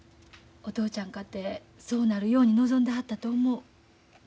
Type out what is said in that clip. お父ちゃんかてそうなるように望んではったと思う。